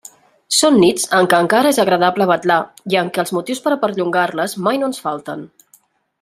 Són nits en què encara és agradable vetlar i en què els motius per a perllongar-les mai no ens falten.